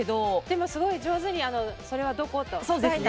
でもすごい上手に「それはどこ？」と。